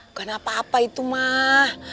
bukan apa apa itu mah